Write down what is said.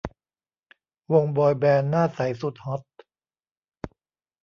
วงบอยแบนด์หน้าใสสุดฮอต